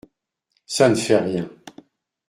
Ça ne fait rien !